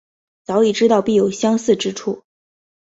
早已知道必有相似之处